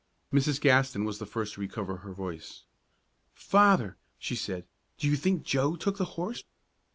Mrs. Gaston was the first to recover her voice. "Father," she said, "do you think Joe took the horse?"